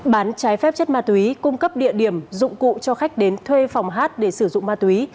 bán trái phép chất ma túy cung cấp địa điểm dụng cụ cho khách đến thuê phòng hát để sử dụng ma túy